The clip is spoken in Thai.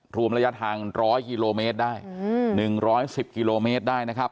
ทรวมระยะทางร้อยกิโลเมตรได้อืมหนึ่งร้อยสิบกิโลเมตรได้นะครับ